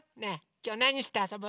きょうなにしてあそぶ？